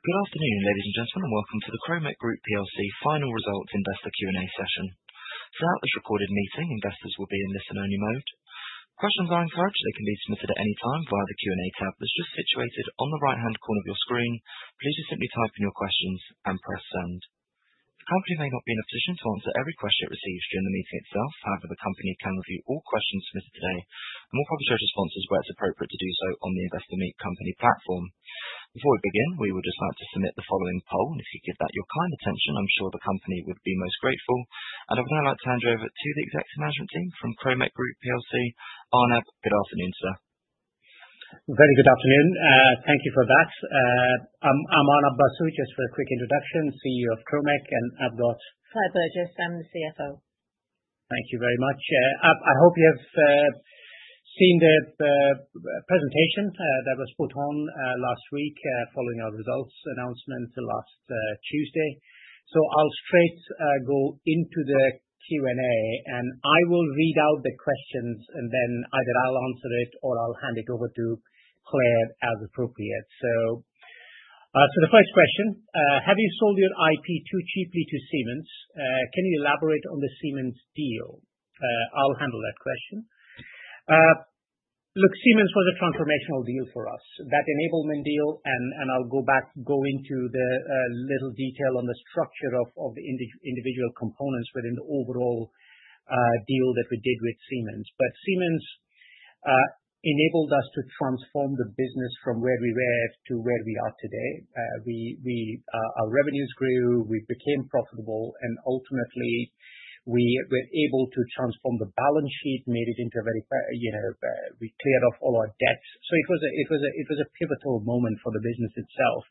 Good afternoon, ladies and gentlemen, and welcome to the Kromek Group PLC Final Results Investor Q&A Session. Throughout this recorded meeting, investors will be in listen-only mode. Questions are encouraged. They can be submitted at any time via the Q&A tab that's just situated on the right-hand corner of your screen. Please just simply type in your questions and press send. The company may not be in a position to answer every question it receives during the meeting itself. However, the company can review all questions submitted today and will probably show responses where it's appropriate to do so on the Investor Meet Company platform. Before we begin, we would just like to submit the following poll, and if you give that your kind attention, I'm sure the company would be most grateful. I would now like to hand you over to the executive management team from Kromek Group PLC. Arnab, good afternoon, sir. Very good afternoon. Thank you for that. I'm Arnab Basu, just for a quick introduction, CEO of Kromek and I've got... Hi Burgess, I'm the CFO. Thank you very much. I hope you have seen the presentation that was put on last week following our results announcement last Tuesday. So I'll straight go into the Q&A, and I will read out the questions, and then either I'll answer it or I'll hand it over to Claire as appropriate. So the first question: Have you sold your IP too cheaply to Siemens? Can you elaborate on the Siemens deal? I'll handle that question. Look, Siemens was a transformational deal for us, that enablement deal, and I'll go back, go into the little detail on the structure of the individual components within the overall deal that we did with Siemens. But Siemens enabled us to transform the business from where we were to where we are today. Our revenues grew, we became profitable, and ultimately we were able to transform the balance sheet. We cleared off all our debts. So it was a pivotal moment for the business itself.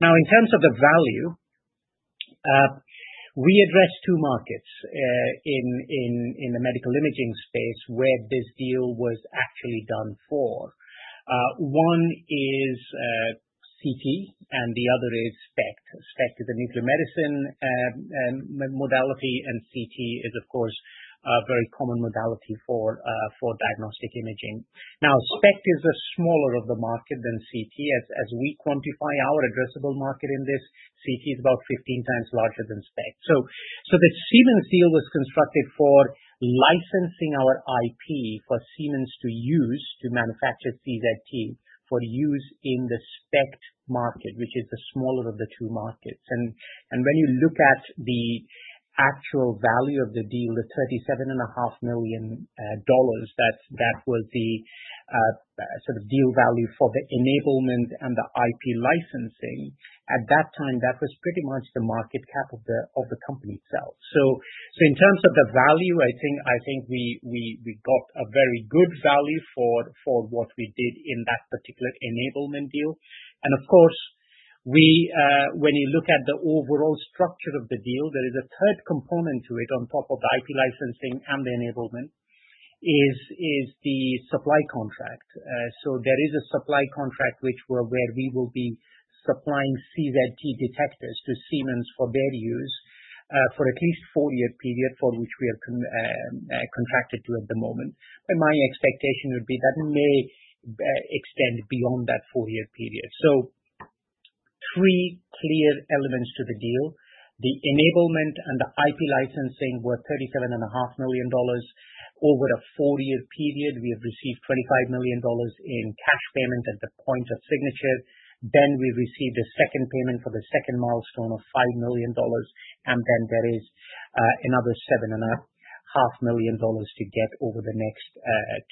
Now, in terms of the value, we addressed two markets in the medical imaging space where this deal was actually done for. One is CT, and the other is SPECT. SPECT is a nuclear medicine modality, and CT is, of course, a very common modality for diagnostic imaging. Now, SPECT is a smaller market than CT. As we quantify our addressable market in this, CT is about 15 times larger than SPECT. So the Siemens deal was constructed for licensing our IP for Siemens to use to manufacture CZT for use in the SPECT market, which is the smaller of the two markets. When you look at the actual value of the deal, the $37.5 million, that was the sort of deal value for the enablement and the IP licensing. At that time, that was pretty much the market cap of the company itself. In terms of the value, I think we got a very good value for what we did in that particular enablement deal. Of course, when you look at the overall structure of the deal, there is a third component to it on top of the IP licensing and the enablement. Is the supply contract. There is a supply contract which will be where we will be supplying CZT detectors to Siemens for their use for at least a four-year period for which we are contracted to at the moment. My expectation would be that may extend beyond that four-year period. Three clear elements to the deal: the enablement and the IP licensing were $37.5 million over a four-year period. We have received $25 million in cash payment at the point of signature. Then we received a second payment for the second milestone of $5 million, and then there is another $7.5 million to get over the next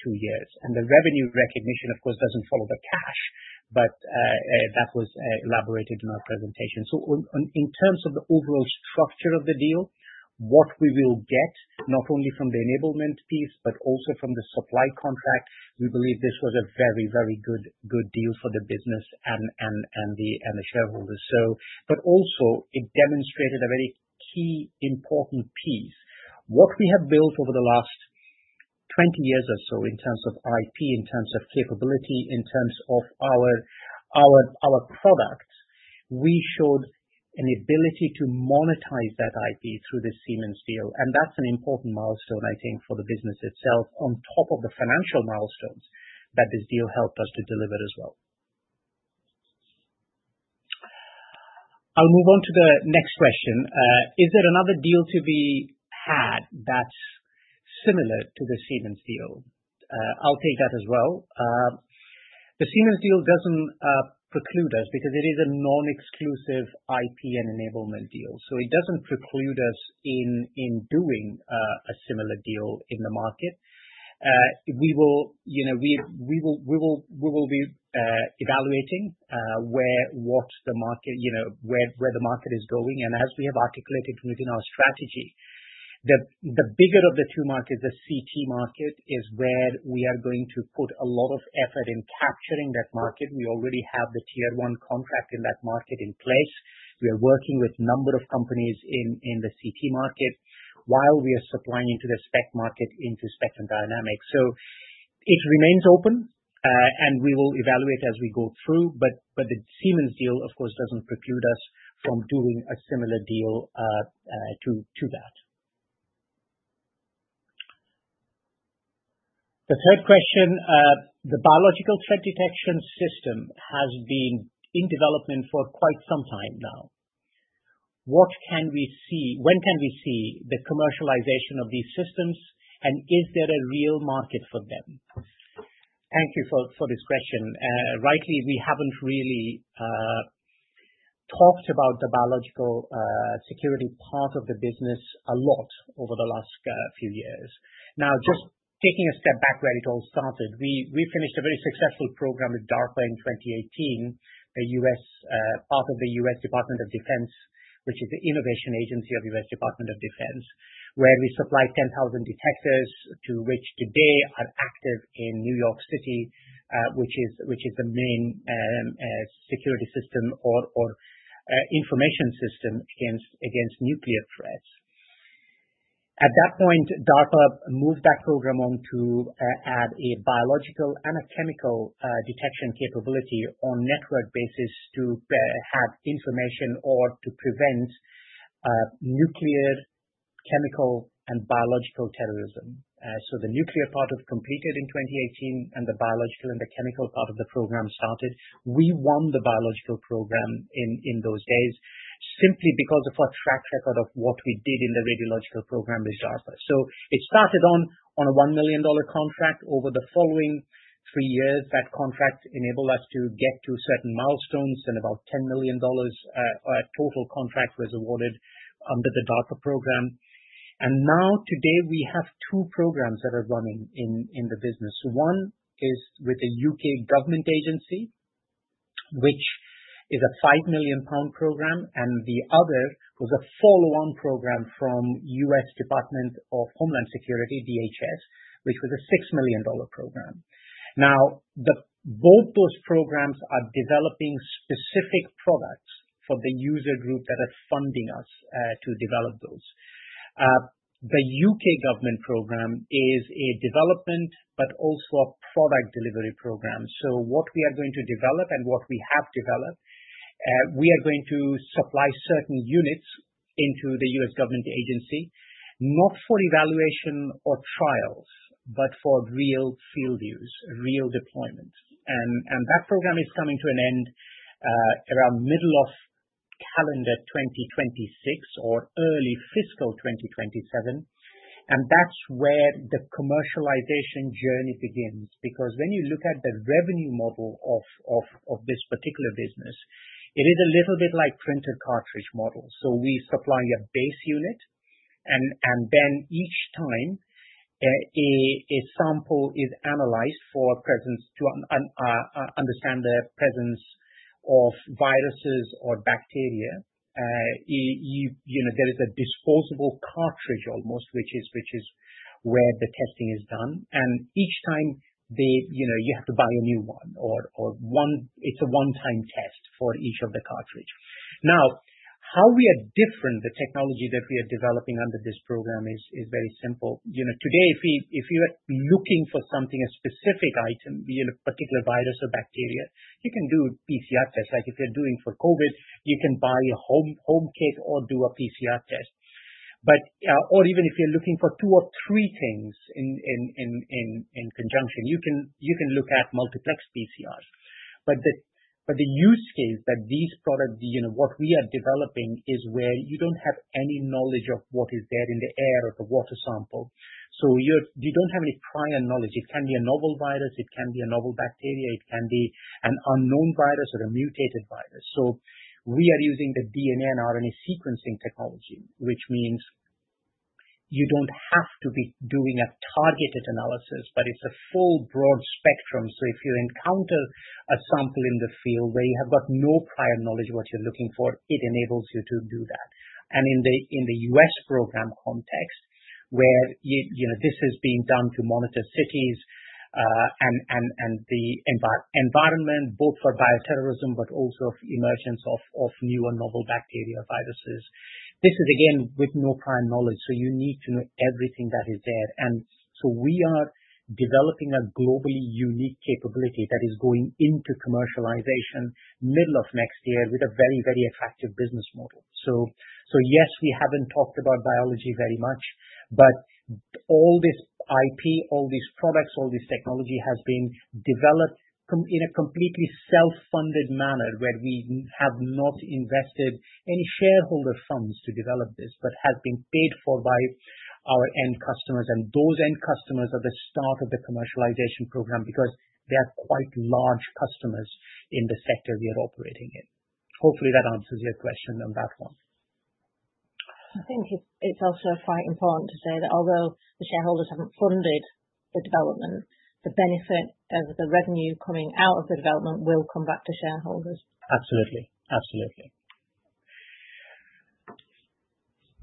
two years. And the revenue recognition, of course, doesn't follow the cash, but that was elaborated in our presentation. In terms of the overall structure of the deal, what we will get not only from the enablement piece but also from the supply contract, we believe this was a very, very good deal for the business and the shareholders. But also, it demonstrated a very key important piece. What we have built over the last 20 years or so in terms of IP, in terms of capability, in terms of our product, we showed an ability to monetize that IP through this Siemens deal. And that's an important milestone, I think, for the business itself on top of the financial milestones that this deal helped us to deliver as well. I'll move on to the next question. Is there another deal to be had that's similar to the Siemens deal? I'll take that as well. The Siemens deal doesn't preclude us because it is a non-exclusive IP and enablement deal. So it doesn't preclude us in doing a similar deal in the market. We will be evaluating what the market is going, and as we have articulated within our strategy, the bigger of the two markets, the CT market, is where we are going to put a lot of effort in capturing that market. We already have the Tier 1 contract in that market in place. We are working with a number of companies in the CT market while we are supplying into the SPECT market, into SPECT and Spectrum Dynamics. So it remains open, and we will evaluate as we go through. But the Siemens deal, of course, doesn't preclude us from doing a similar deal to that. The third question: The biological threat detection system has been in development for quite some time now. What can we see? When can we see the commercialization of these systems, and is there a real market for them? Thank you for this question. Rightly, we haven't really talked about the biological security part of the business a lot over the last few years. Now, just taking a step back where it all started, we finished a very successful program with DARPA in 2018, a part of the U.S. Department of Defense, which is the innovation agency of the U.S. Department of Defense, where we supplied 10,000 detectors to which today are active in New York City, which is the main security system or information system against nuclear threats. At that point, DARPA moved that program on to add a biological and a chemical detection capability on a network basis to have information or to prevent nuclear, chemical, and biological terrorism. So the nuclear part completed in 2018, and the biological and the chemical part of the program started. We won the biological program in those days simply because of our track record of what we did in the radiological program with DARPA, so it started on a $1 million contract. Over the following three years, that contract enabled us to get to certain milestones, and about $10 million total contract was awarded under the DARPA program, and now, today, we have two programs that are running in the business. One is with a U.K. government agency, which is a 5 million pound program, and the other was a follow-on program from the U.S. Department of Homeland Security, DHS, which was a $6 million program. Now, both those programs are developing specific products for the user group that are funding us to develop those. The U.K. government program is a development but also a product delivery program. What we are going to develop and what we have developed, we are going to supply certain units into the U.S. government agency, not for evaluation or trials, but for real field use, real deployment. And that program is coming to an end around the middle of calendar 2026 or early fiscal 2027. And that's where the commercialization journey begins because when you look at the revenue model of this particular business, it is a little bit like a printer cartridge model. So we supply a base unit, and then each time a sample is analyzed for presence to understand the presence of viruses or bacteria. There is a disposable cartridge almost, which is where the testing is done. And each time, you have to buy a new one, or it's a one-time test for each of the cartridges. Now, how we are different, the technology that we are developing under this program is very simple. Today, if you are looking for something, a specific item, a particular virus or bacteria, you can do a PCR test. Like if you're doing for COVID, you can buy a home kit or do a PCR test. Or even if you're looking for two or three things in conjunction, you can look at multiplex PCRs. But the use case that these products, what we are developing, is where you don't have any knowledge of what is there in the air or the water sample. So you don't have any prior knowledge. It can be a novel virus. It can be a novel bacteria. It can be an unknown virus or a mutated virus. So we are using the DNA and RNA sequencing technology, which means you don't have to be doing a targeted analysis, but it's a full broad spectrum. So if you encounter a sample in the field where you have got no prior knowledge of what you're looking for, it enables you to do that. And in the U.S. program context, where this is being done to monitor cities and the environment, both for bioterrorism but also for emergence of new and novel bacteria or viruses, this is, again, with no prior knowledge. So you need to know everything that is there. And so we are developing a globally unique capability that is going into commercialization middle of next year with a very, very attractive business model. So yes, we haven't talked about biology very much, but all this IP, all these products, all this technology has been developed in a completely self-funded manner where we have not invested any shareholder funds to develop this but has been paid for by our end customers. And those end customers are the start of the commercialization program because they are quite large customers in the sector we are operating in. Hopefully, that answers your question on that one. I think it's also quite important to say that although the shareholders haven't funded the development, the benefit of the revenue coming out of the development will come back to shareholders. Absolutely. Absolutely.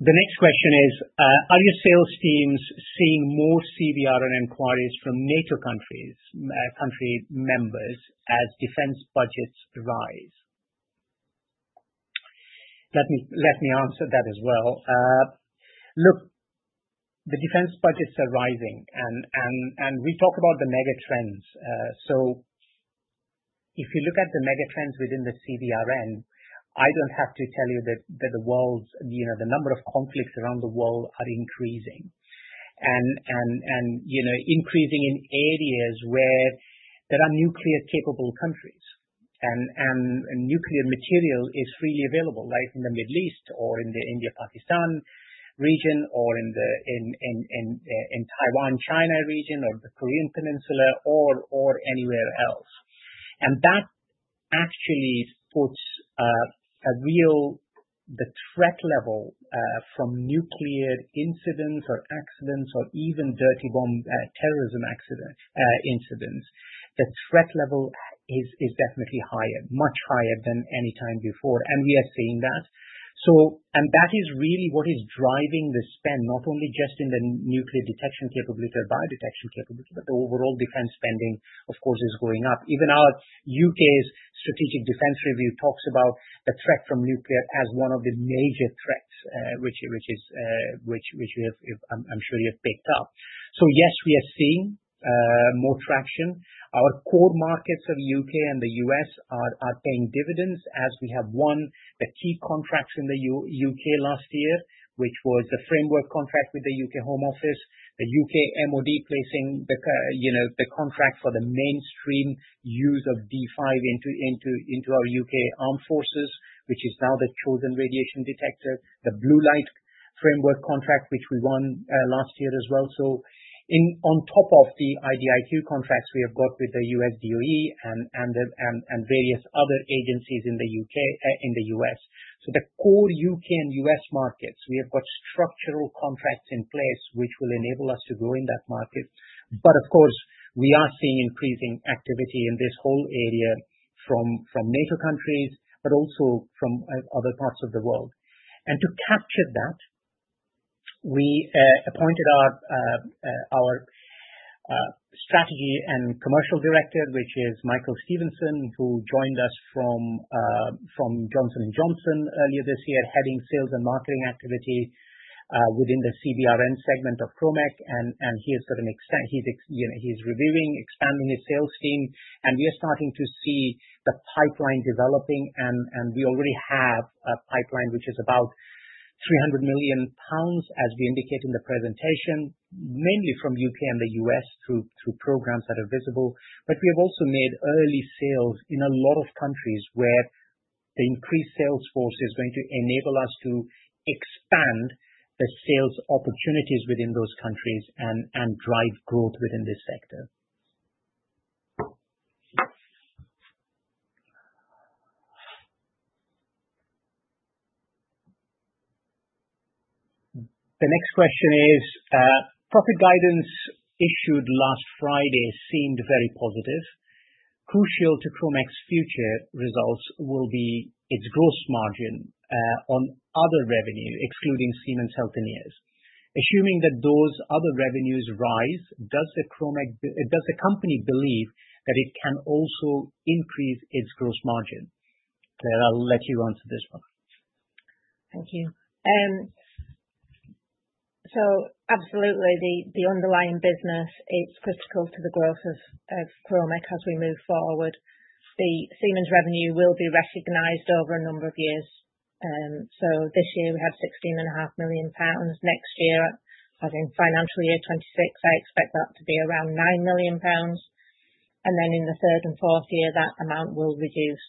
The next question is, are your sales teams seeing more CBRN inquiries from NATO countries' members as defense budgets rise? Let me answer that as well. Look, the defense budgets are rising, and we talk about the mega trends. So if you look at the mega trends within the CBRN, I don't have to tell you that the number of conflicts around the world are increasing and increasing in areas where there are nuclear-capable countries and nuclear material is freely available, like in the Middle East or in the India-Pakistan region or in the Taiwan-China region or the Korean Peninsula or anywhere else. And that actually puts a real threat level from nuclear incidents or accidents or even dirty bomb terrorism incidents. The threat level is definitely higher, much higher than any time before, and we are seeing that. That is really what is driving the spend, not only just in the nuclear detection capability or biodetection capability, but the overall defense spending, of course, is going up. Even our U.K.'s strategic defense review talks about the threat from nuclear as one of the major threats, which I'm sure you have picked up. Yes, we are seeing more traction. Our core markets of the U.K. and the U.S. are paying dividends as we have won the key contracts in the U.K. last year, which was the framework contract with the U.K. Home Office, the U.K. MoD placing the contract for the mainstream use of D5 into our U.K. Armed Forces, which is now the chosen radiation detector, the Blue Light framework contract, which we won last year as well. On top of the IDIQ contracts we have got with the U.S. DOE and various other agencies in the U.S., so the core U.K. and U.S. markets, we have got structural contracts in place which will enable us to grow in that market. But of course, we are seeing increasing activity in this whole area from NATO countries but also from other parts of the world. And to capture that, we appointed our Strategy and Commercial Director, which is Michael Stephenson, who joined us from Johnson & Johnson earlier this year, heading sales and marketing activity within the CBRN segment of Kromek. And he is reviewing, expanding his sales team, and we are starting to see the pipeline developing. And we already have a pipeline which is about 300 million pounds, as we indicate in the presentation, mainly from U.K. and the U.S. through programs that are visible. But we have also made early sales in a lot of countries where the increased sales force is going to enable us to expand the sales opportunities within those countries and drive growth within this sector. The next question is, profit guidance issued last Friday seemed very positive. Crucial to Kromek's future results will be its gross margin on other revenue, excluding Siemens Healthineers. Assuming that those other revenues rise, does the company believe that it can also increase its gross margin? Claire, I'll let you answer this one. Thank you. So absolutely, the underlying business, it's critical to the growth of Kromek as we move forward. The Siemens revenue will be recognized over a number of years. So this year, we have 16.5 million pounds. Next year, as in financial year 2026, I expect that to be around 9 million pounds. And then in the third and fourth year, that amount will reduce.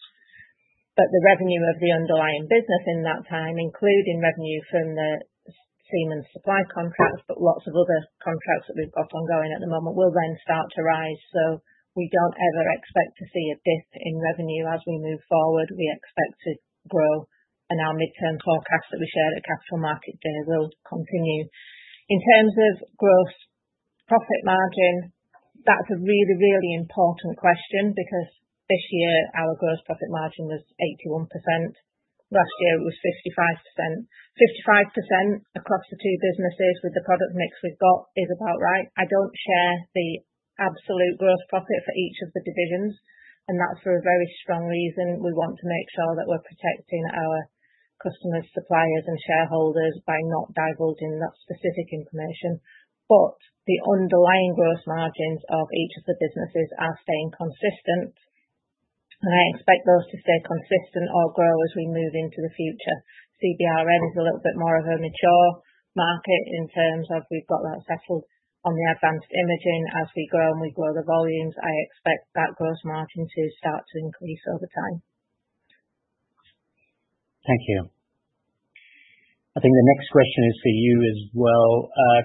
But the revenue of the underlying business in that time, including revenue from the Siemens supply contracts but lots of other contracts that we've got ongoing at the moment, will then start to rise. So we don't ever expect to see a dip in revenue as we move forward. We expect to grow, and our midterm forecast that we shared at Capital Markets Day will continue. In terms of gross profit margin, that's a really, really important question because this year, our gross profit margin was 81%. Last year, it was 55%. 55% across the two businesses with the product mix we've got is about right. I don't share the absolute gross profit for each of the divisions, and that's for a very strong reason. We want to make sure that we're protecting our customers, suppliers, and shareholders by not divulging that specific information, but the underlying gross margins of each of the businesses are staying consistent, and I expect those to stay consistent or grow as we move into the future. CBRN is a little bit more of a mature market in terms of, we've got that settled on the advanced imaging. As we grow and we grow the volumes, I expect that gross margin to start to increase over time. Thank you. I think the next question is for you as well,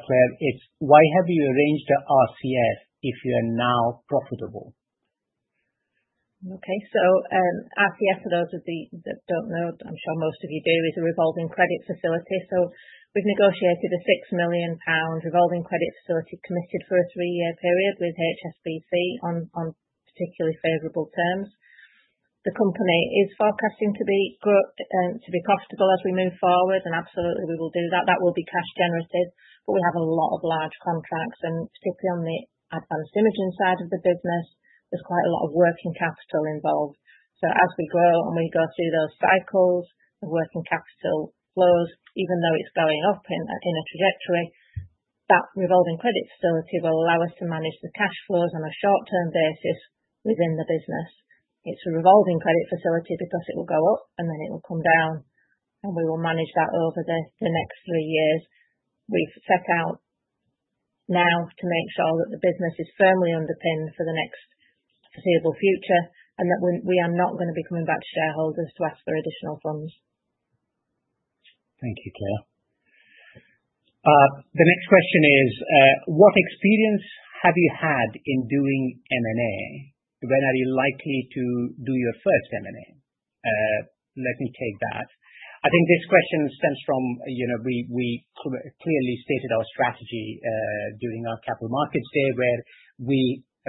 Claire. It's why have you arranged an RCF if you are now profitable? Okay. So RCF, for those of you that don't know, I'm sure most of you do, is a revolving credit facility. So we've negotiated a 6 million pound revolving credit facility committed for a three-year period with HSBC on particularly favorable terms. The company is forecasting to be profitable as we move forward, and absolutely, we will do that. That will be cash-generative, but we have a lot of large contracts. And particularly on the advanced imaging side of the business, there's quite a lot of working capital involved. So as we grow and we go through those cycles of working capital flows, even though it's going up in a trajectory, that revolving credit facility will allow us to manage the cash flows on a short-term basis within the business. It's a revolving credit facility because it will go up, and then it will come down, and we will manage that over the next three years. We've set out now to make sure that the business is firmly underpinned for the next foreseeable future and that we are not going to be coming back to shareholders to ask for additional funds. Thank you, Claire. The next question is, what experience have you had in doing M&A? When are you likely to do your first M&A? Let me take that. I think this question stems from we clearly stated our strategy during our Capital Markets Day where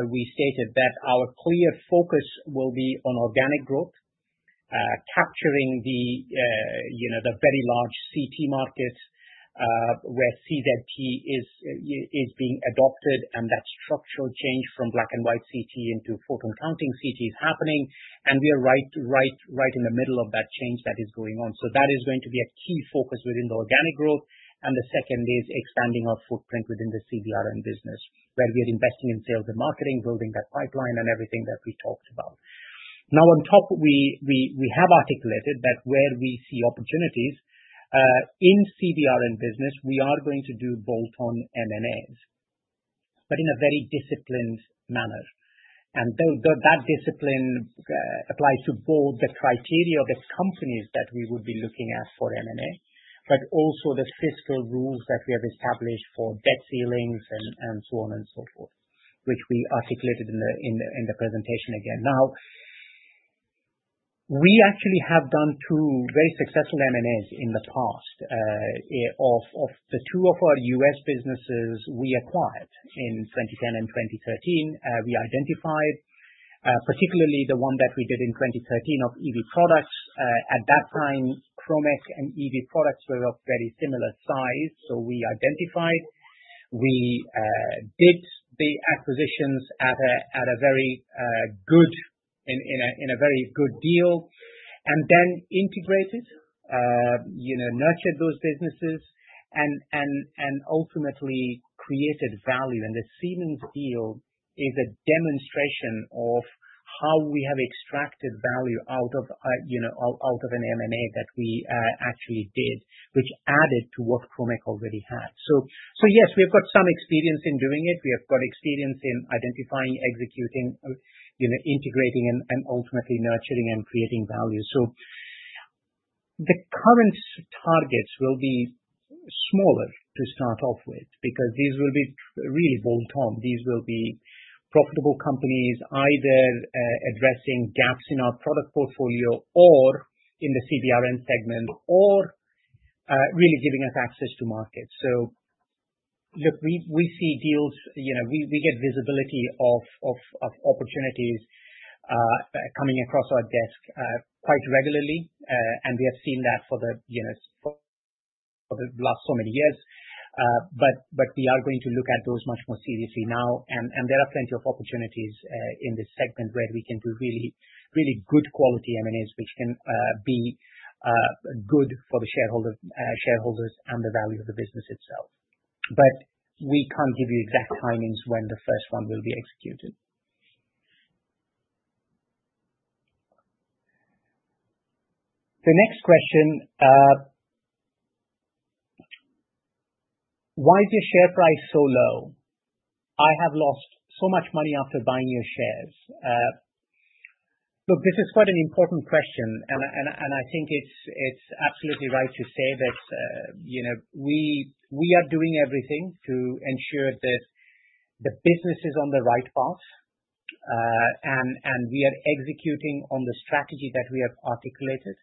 we stated that our clear focus will be on organic growth, capturing the very large CT markets where CZT is being adopted, and that structural change from black and white CT into Photon Counting CT is happening, and we are right in the middle of that change that is going on, so that is going to be a key focus within the organic growth, and the second is expanding our footprint within the CBRN business where we are investing in sales and marketing, building that pipeline and everything that we talked about. Now, on top, we have articulated that where we see opportunities in CBRN business, we are going to do bolt-on M&As, but in a very disciplined manner, and that discipline applies to both the criteria of the companies that we would be looking at for M&A, but also the fiscal rules that we have established for debt ceilings and so on and so forth, which we articulated in the presentation again. Now, we actually have done two very successful M&As in the past. Of the two of our U.S. businesses we acquired in 2010 and 2013, we identified, particularly the one that we did in 2013 of eV Products. At that time, Kromek and eV Products were of very similar size. So we identified, we did the acquisitions at a very good deal, and then integrated, nurtured those businesses, and ultimately created value. The Siemens deal is a demonstration of how we have extracted value out of an M&A that we actually did, which added to what Kromek already had. So yes, we have got some experience in doing it. We have got experience in identifying, executing, integrating, and ultimately nurturing and creating value. So the current targets will be smaller to start off with because these will be really bolt-on. These will be profitable companies either addressing gaps in our product portfolio or in the CBRN segment or really giving us access to markets. So look, we see deals. We get visibility of opportunities coming across our desk quite regularly, and we have seen that for the last so many years. But we are going to look at those much more seriously now. There are plenty of opportunities in this segment where we can do really good quality M&As, which can be good for the shareholders and the value of the business itself. But we can't give you exact timings when the first one will be executed. The next question, why is your share price so low? I have lost so much money after buying your shares. Look, this is quite an important question, and I think it's absolutely right to say that we are doing everything to ensure that the business is on the right path, and we are executing on the strategy that we have articulated.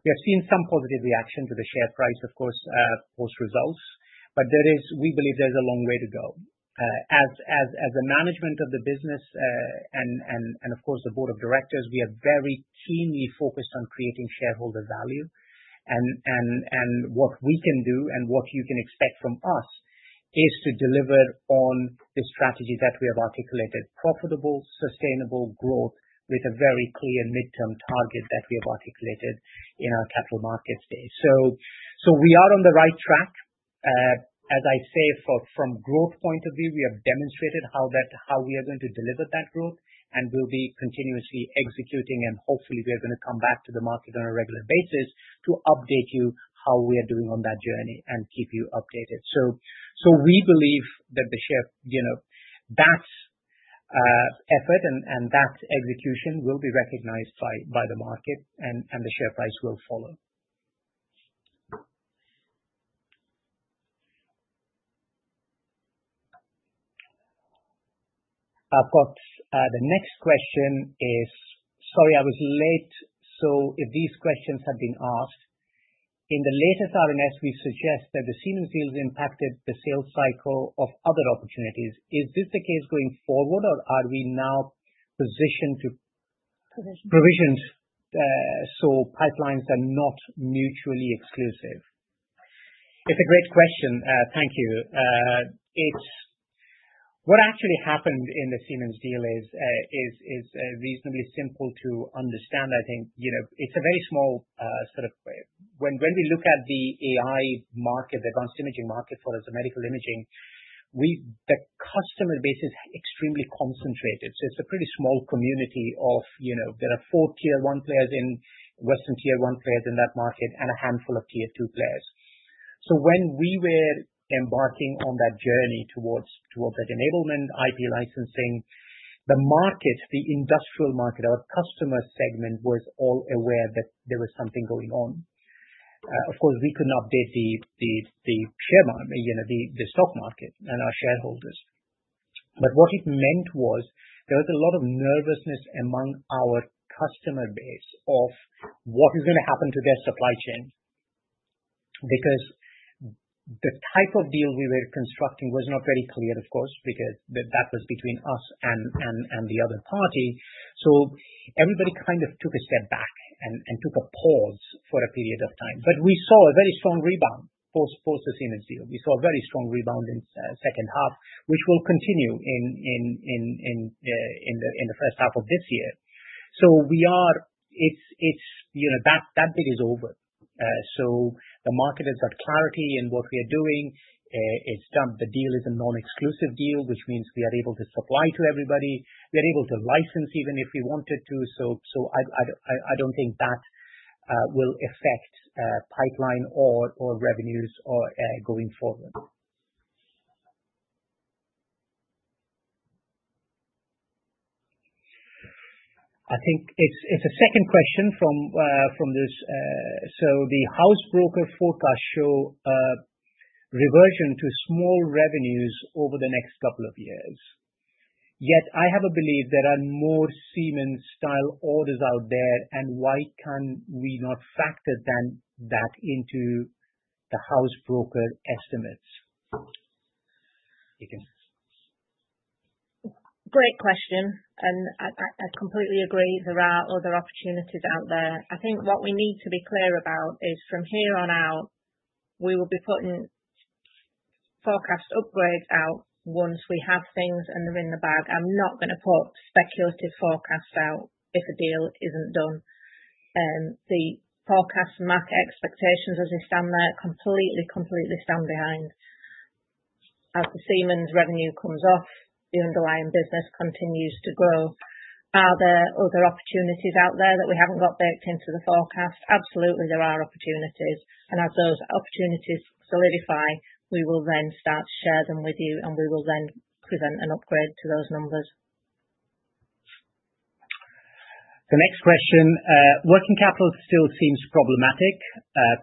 We have seen some positive reaction to the share price, of course, post-results, but we believe there's a long way to go. As the management of the business and, of course, the board of directors, we are very keenly focused on creating shareholder value. What we can do and what you can expect from us is to deliver on the strategy that we have articulated: profitable, sustainable growth with a very clear midterm target that we have articulated in our Capital Markets Day. So we are on the right track. As I say, from growth point of view, we have demonstrated how we are going to deliver that growth and will be continuously executing. And hopefully, we are going to come back to the market on a regular basis to update you how we are doing on that journey and keep you updated. So we believe that that effort and that execution will be recognized by the market, and the share price will follow. I've got the next question. Sorry, I was late. So if these questions have been asked, in the latest RNS, we suggest that the Siemens deals impacted the sales cycle of other opportunities. Is this the case going forward, or are we now positioned to. Provisioned. Provisioned so pipelines are not mutually exclusive? It's a great question. Thank you. What actually happened in the Siemens deal is reasonably simple to understand. I think it's a very small sort of when we look at the AI market, the advanced imaging market for us, the medical imaging, the customer base is extremely concentrated. So it's a pretty small community of there are four Tier 1 players in Western, Tier 1 players in that market, and a handful of Tier 2 players. So when we were embarking on that journey towards that enablement, IP licensing, the market, the industrial market, our customer segment was all aware that there was something going on. Of course, we couldn't update the share market, the stock market, and our shareholders. But what it meant was there was a lot of nervousness among our customer base of what is going to happen to their supply chain because the type of deal we were constructing was not very clear, of course, because that was between us and the other party. So everybody kind of took a step back and took a pause for a period of time. But we saw a very strong rebound post the Siemens deal. We saw a very strong rebound in the second half, which will continue in the first half of this year. So that bit is over. So the market has got clarity in what we are doing. It's done. The deal is a non-exclusive deal, which means we are able to supply to everybody. We are able to license even if we wanted to. I don't think that will affect pipeline or revenues going forward. I think it's a second question from this. The house broker forecasts show revision to small revenues over the next couple of years. Yet I have a belief there are more Siemens-style orders out there, and why can we not factor that into the house broker estimates? Great question. And I completely agree. There are other opportunities out there. I think what we need to be clear about is from here on out, we will be putting forecast upgrades out once we have things and they're in the bag. I'm not going to put speculative forecasts out if a deal isn't done. The forecast market expectations, as they stand there, completely, completely stand behind. As the Siemens revenue comes off, the underlying business continues to grow. Are there other opportunities out there that we haven't got baked into the forecast? Absolutely, there are opportunities. And as those opportunities solidify, we will then start to share them with you, and we will then present an upgrade to those numbers. The next question, working capital still seems problematic.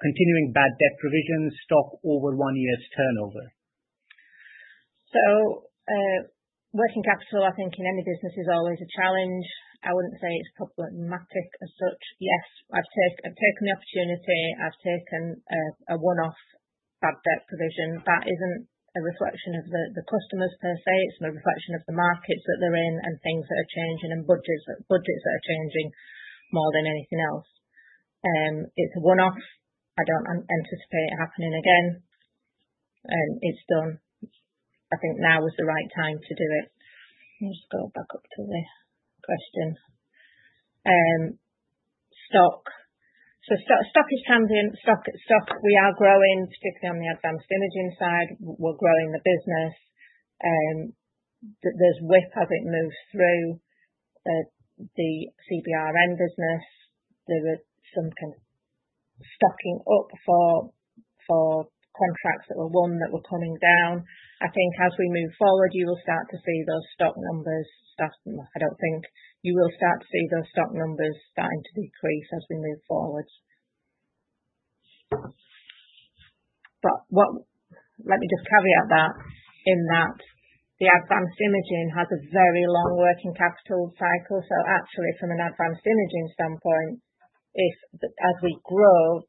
Continuing bad debt provisions, stock over one year's turnover. Working capital, I think in any business, is always a challenge. I wouldn't say it's problematic as such. Yes, I've taken the opportunity. I've taken a one-off bad debt provision. That isn't a reflection of the customers per se. It's a reflection of the markets that they're in and things that are changing and budgets that are changing more than anything else. It's a one-off. I don't anticipate it happening again. And it's done. I think now is the right time to do it. Let me just go back up to the question. Stock. So stock is transient. Stock, we are growing, particularly on the advanced imaging side. We're growing the business. There's WIP as it moves through the CBRN business. There were some kind of stocking up for contracts that were won that were coming down. I think as we move forward, you will start to see those stock numbers starting to - I don't think you will start to see those stock numbers starting to decrease as we move forward. But let me just caveat that in that the advanced imaging has a very long working capital cycle. So actually, from an advanced imaging standpoint, as we grow,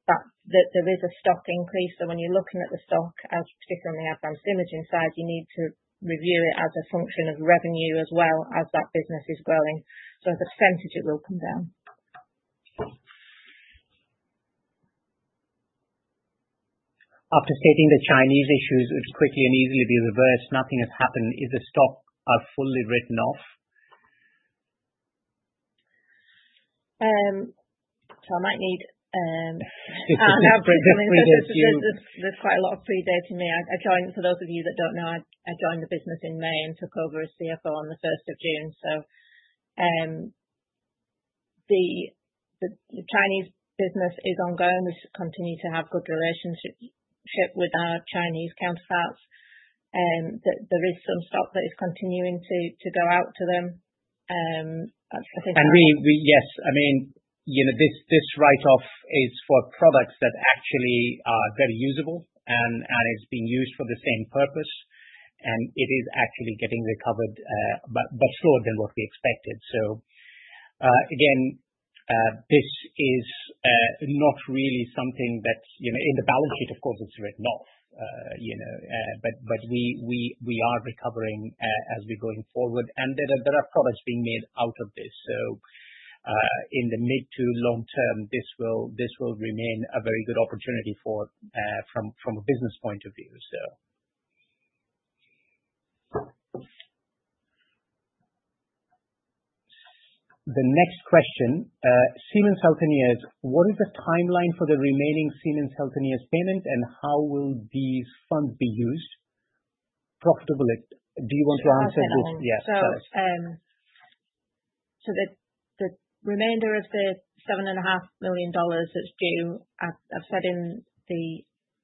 there is a stock increase. So when you're looking at the stock, particularly on the advanced imaging side, you need to review it as a function of revenue as well as that business is growing. So as a percentage, it will come down. After stating the Chinese issues, which quickly and easily be reversed, nothing has happened. Is the stock fully written off? I might need. Yes. This is a pre-date to you. There's quite a lot of pre-dating me. For those of you that don't know, I joined the business in May and took over as CFO on the 1st of June. So the Chinese business is ongoing. We continue to have good relationships with our Chinese counterparts. There is some stock that is continuing to go out to them. I think. Yes, I mean, this write-off is for products that actually are very usable and are being used for the same purpose. It is actually getting recovered, but slower than what we expected. Again, this is not really something that, in the balance sheet, of course, it's written off. We are recovering as we're going forward. There are products being made out of this. In the mid to long term, this will remain a very good opportunity from a business point of view, so. The next question, Siemens Healthineers, what is the timeline for the remaining Siemens Healthineers payment, and how will these funds be used? Profitable? Do you want to answer this? Yes, tell us. So the remainder of the $7.5 million that's due. I've said in the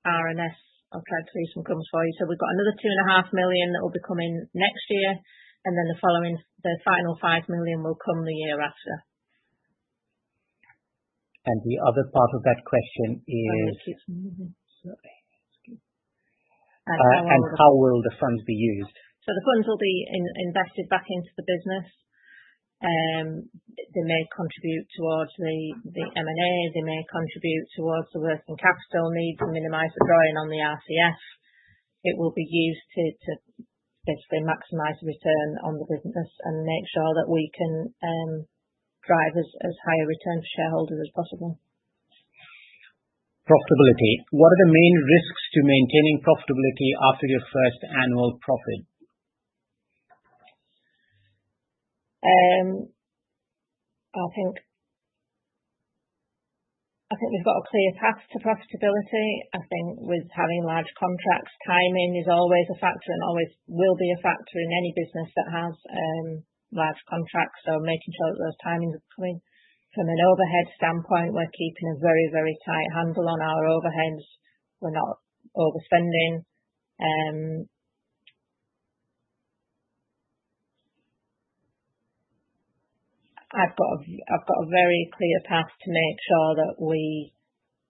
RNS, I'll try to see if some comes for you. So we've got another $2.5 million that will be coming next year. And then the final $5 million will come the year after. The other part of that question is. Sorry. How will the funds be used? The funds will be invested back into the business. They may contribute towards the M&A. They may contribute towards the working capital needs and minimize the drawing on the RCF. It will be used to basically maximize the return on the business and make sure that we can drive as high a return for shareholders as possible. Profitability. What are the main risks to maintaining profitability after your first annual profit? I think we've got a clear path to profitability. I think with having large contracts, timing is always a factor and always will be a factor in any business that has large contracts. So making sure that those timings are coming. From an overhead standpoint, we're keeping a very, very tight handle on our overheads. We're not overspending. I've got a very clear path to make sure that we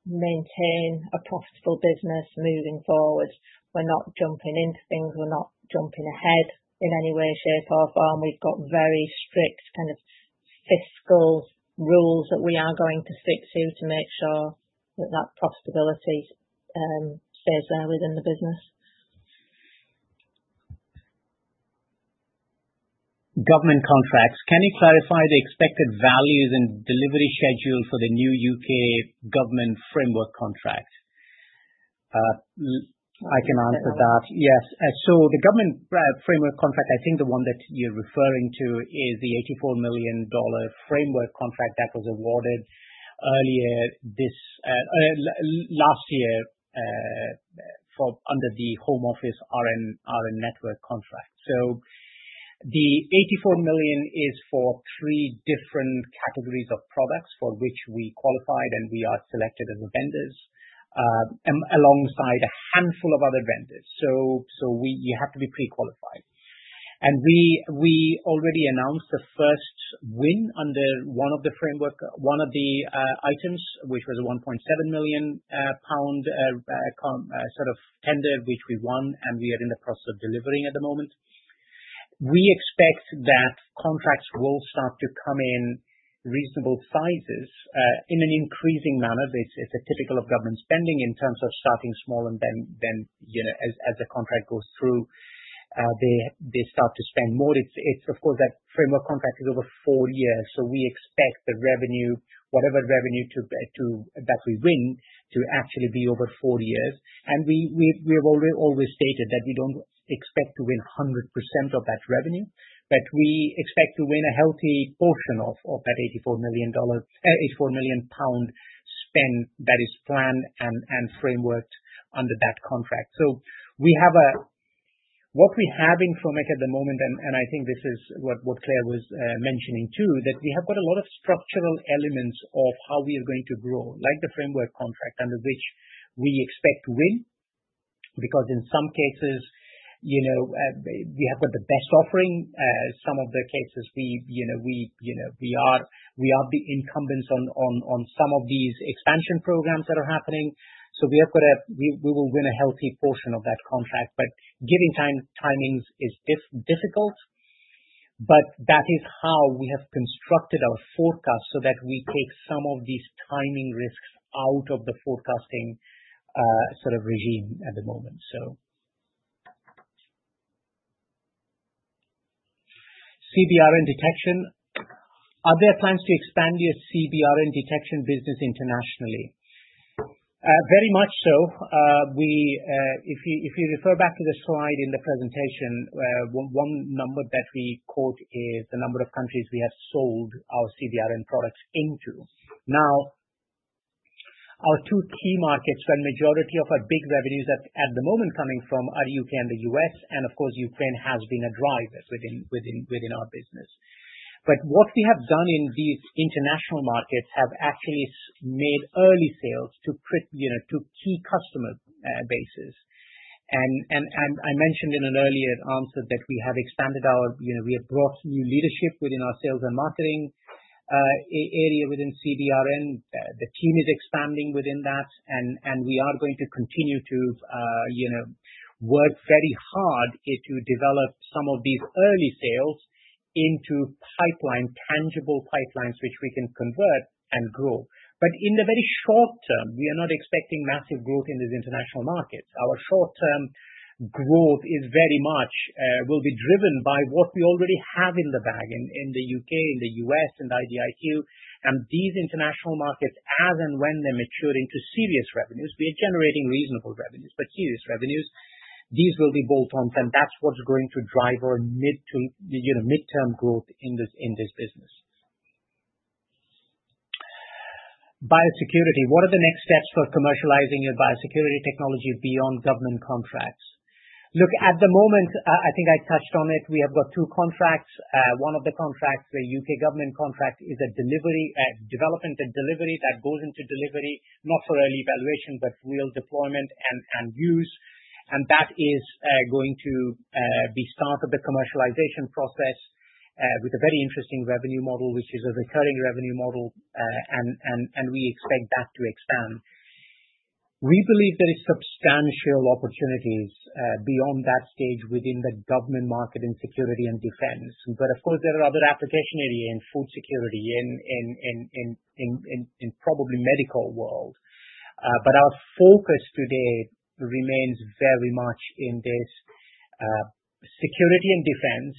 maintain a profitable business moving forward. We're not jumping into things. We're not jumping ahead in any way, shape, or form. We've got very strict kind of fiscal rules that we are going to stick to to make sure that that profitability stays there within the business. Government contracts. Can you clarify the expected values and delivery schedule for the new U.K. government framework contract? I can answer that. Yes, so the government framework contract, I think the one that you're referring to is the $84 million framework contract that was awarded earlier last year under the Home Office R&N network contract. So the $84 million is for three different categories of products for which we qualified and we are selected as vendors alongside a handful of other vendors. You have to be pre-qualified, and we already announced the first win under one of the framework, one of the items, which was a 1.7 million pound sort of tender, which we won, and we are in the process of delivering at the moment. We expect that contracts will start to come in reasonable sizes in an increasing manner. It's typical of government spending in terms of starting small, and then as the contract goes through, they start to spend more. Of course, that framework contract is over four years. So we expect the revenue, whatever revenue that we win, to actually be over four years. And we have always stated that we don't expect to win 100% of that revenue, but we expect to win a healthy portion of that $84 million spend that is planned and frameworked under that contract. So what we have in Kromek at the moment, and I think this is what Claire was mentioning too, that we have got a lot of structural elements of how we are going to grow, like the framework contract under which we expect to win. Because in some cases, we have got the best offering. Some of the cases, we are the incumbents on some of these expansion programs that are happening. So we will win a healthy portion of that contract. But giving timings is difficult. But that is how we have constructed our forecast so that we take some of these timing risks out of the forecasting sort of regime at the moment. CBRN detection. Are there plans to expand your CBRN detection business internationally? Very much so. If you refer back to the slide in the presentation, one number that we quote is the number of countries we have sold our CBRN products into. Now, our two key markets, where the majority of our big revenues at the moment are coming from, are U.K. and the U.S. And of course, Ukraine has been a driver within our business. But what we have done in these international markets has actually made early sales to key customer bases. And I mentioned in an earlier answer that we have brought new leadership within our sales and marketing area within CBRN. The team is expanding within that. And we are going to continue to work very hard to develop some of these early sales into tangible pipelines, which we can convert and grow. But in the very short term, we are not expecting massive growth in these international markets. Our short-term growth will be driven by what we already have in the bag in the U.K., in the U.S., in the IDIQ. And these international markets, as and when they mature into serious revenues, we are generating reasonable revenues, but serious revenues. These will be bolt-ons, and that's what's going to drive our mid-term growth in this business. Biosecurity. What are the next steps for commercializing your biosecurity technology beyond government contracts? Look, at the moment, I think I touched on it. We have got two contracts. One of the contracts, the U.K. government contract, is a development and delivery that goes into delivery, not for early evaluation, but real deployment and use. And that is going to be the start of the commercialization process with a very interesting revenue model, which is a recurring revenue model. And we expect that to expand. We believe there are substantial opportunities beyond that stage within the government market in security and defense. But of course, there are other application areas in food security, in probably the medical world. But our focus today remains very much in this security and defense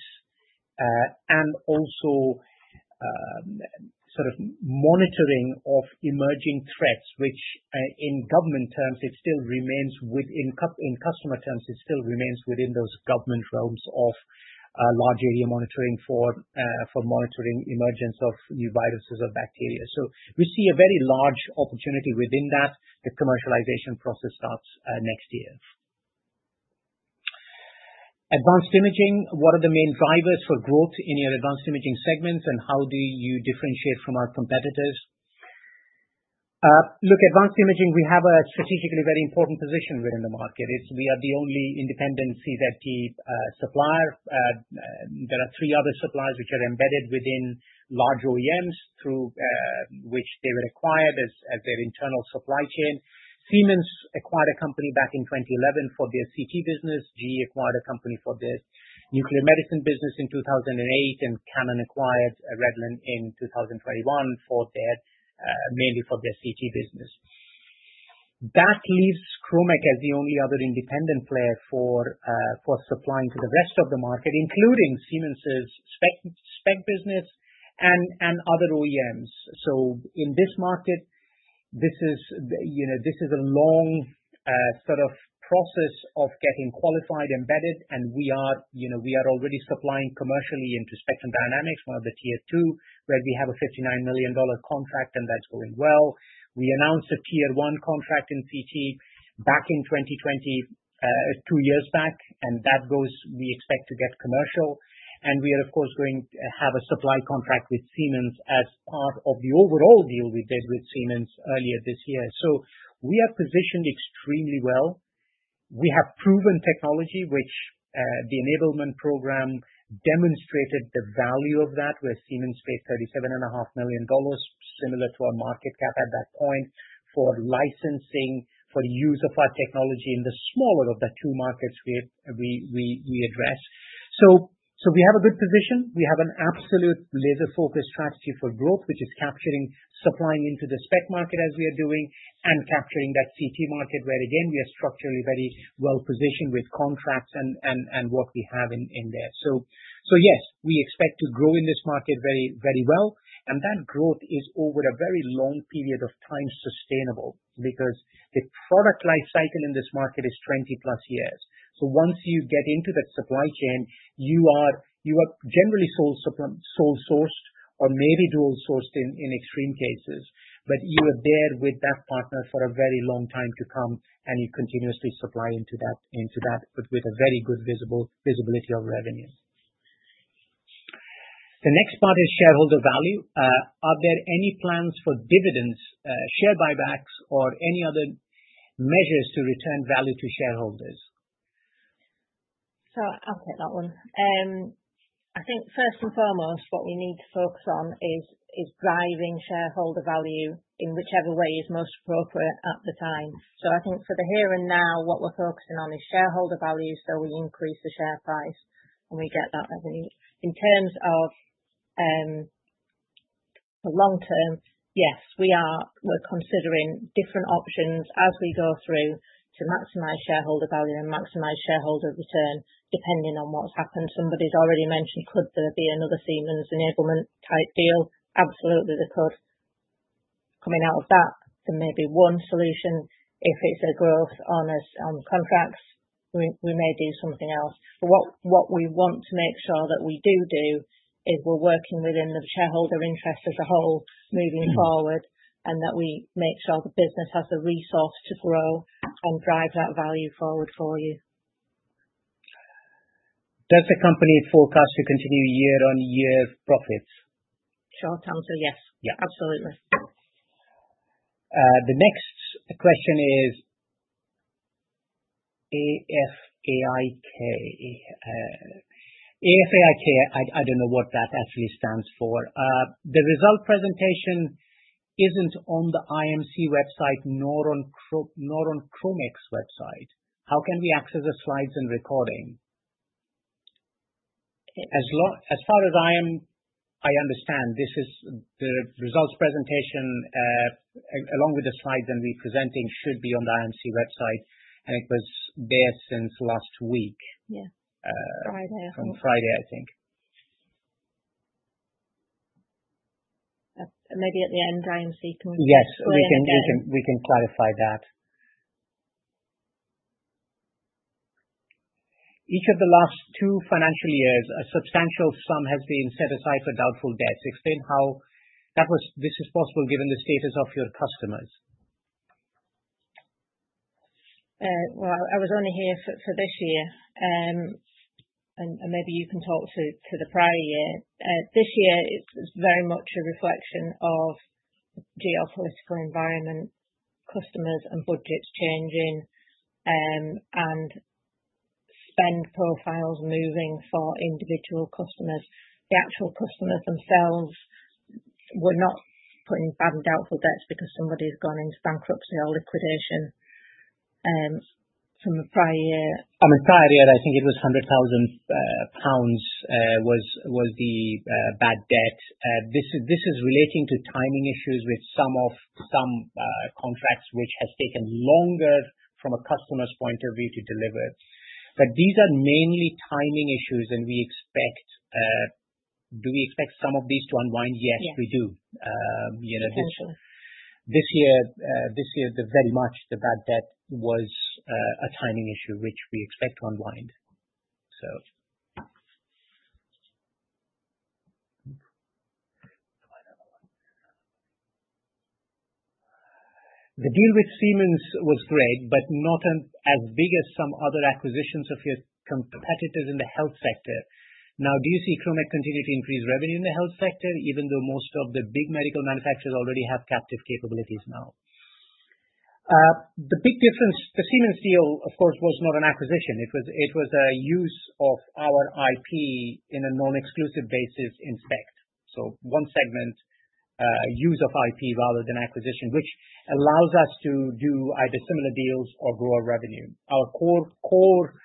and also sort of monitoring of emerging threats, which in government terms, it still remains, in customer terms, it still remains within those government realms of large area monitoring for monitoring emergence of new viruses or bacteria. So we see a very large opportunity within that. The commercialization process starts next year. Advanced imaging. What are the main drivers for growth in your advanced imaging segments, and how do you differentiate from our competitors? Look, advanced imaging, we have a strategically very important position within the market. We are the only independent CZT supplier. There are three other suppliers which are embedded within large OEMs through which they were acquired as their internal supply chain. Siemens acquired a company back in 2011 for their CT business. GE acquired a company for their nuclear medicine business in 2008, and Canon acquired Redlen in 2021 mainly for their CT business. That leaves Kromek as the only other independent player for supplying to the rest of the market, including Siemens' SPECT business and other OEMs, so in this market, this is a long sort of process of getting qualified, embedded, and we are already supplying commercially into Spectrum Dynamics, one of the Tier 2, where we have a $59 million contract, and that's going well. We announced a Tier 1 contract in CT back in 2020, two years back, and that goes, we expect to get commercial, and we are, of course, going to have a supply contract with Siemens as part of the overall deal we did with Siemens earlier this year, so we are positioned extremely well. We have proven technology, which the enablement program demonstrated the value of that, where Siemens paid $37.5 million, similar to our market cap at that point, for licensing for the use of our technology in the smaller of the two markets we address. So we have a good position. We have an absolute laser-focused strategy for growth, which is capturing supplying into the SPECT market as we are doing and capturing that CT market, where, again, we are structurally very well positioned with contracts and what we have in there. So yes, we expect to grow in this market very well. And that growth is over a very long period of time sustainable because the product life cycle in this market is 20 plus years. So once you get into that supply chain, you are generally sole-sourced or maybe dual-sourced in extreme cases. But you are there with that partner for a very long time to come, and you continuously supply into that with a very good visibility of revenue. The next part is shareholder value. Are there any plans for dividends, share buybacks, or any other measures to return value to shareholders? So I'll take that one. I think first and foremost, what we need to focus on is driving shareholder value in whichever way is most appropriate at the time. So I think for the here and now, what we're focusing on is shareholder value, so we increase the share price and we get that revenue. In terms of the long term, yes, we're considering different options as we go through to maximize shareholder value and maximize shareholder return depending on what's happened. Somebody's already mentioned, could there be another Siemens enablement type deal? Absolutely, there could. Coming out of that, there may be one solution. If it's a growth on contracts, we may do something else. But what we want to make sure that we do is we're working within the shareholder interest as a whole moving forward and that we make sure the business has the resource to grow and drive that value forward for you. Does the company forecast to continue year-on-year profits? Short-term, so yes. Absolutely. The next question is AFAIK. AFAIK, I don't know what that actually stands for. The results presentation isn't on the IMC website nor on Kromek's website. How can we access the slides and recording? As far as I understand, the results presentation along with the slides and the recording should be on the IMC website, and it was there since last week. Yeah. Friday. From Friday, I think. Maybe at the end, IMC, can we? Yes, we can clarify that. Each of the last two financial years, a substantial sum has been set aside for doubtful debts. Explain how this is possible given the status of your customers? I was only here for this year, and maybe you can talk to the prior year. This year is very much a reflection of geopolitical environment, customers and budgets changing, and spend profiles moving for individual customers. The actual customers themselves were not putting bad doubtful debts because somebody's gone into bankruptcy or liquidation from a prior year. In the prior year, I think it was 100,000 pounds was the bad debt. This is relating to timing issues with some contracts which have taken longer from a customer's point of view to deliver. But these are mainly timing issues, and do we expect some of these to unwind? Yes, we do. This year, very much, the bad debt was a timing issue which we expect to unwind, so. The deal with Siemens was great, but not as big as some other acquisitions of your competitors in the health sector. Now, do you see Kromek continue to increase revenue in the health sector, even though most of the big medical manufacturers already have captive capabilities now? The Siemens deal, of course, was not an acquisition. It was a use of our IP on a non-exclusive basis in SPECT. So one segment, use of IP rather than acquisition, which allows us to do either similar deals or grow our revenue. Our core